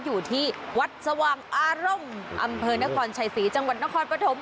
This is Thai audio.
อยู่ที่วัดสว่างอารมณ์อำเภอนครชัยศรีจังหวัดนครปฐม